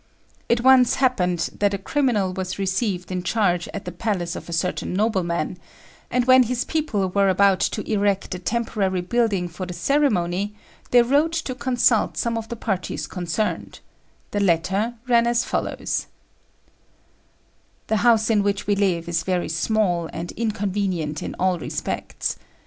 It once happened that a criminal was received in charge at the palace of a certain nobleman, and when his people were about to erect a temporary building for the ceremony, they wrote to consult some of the parties concerned; the letter ran as follows "The house in which we live is very small and inconvenient in all respects.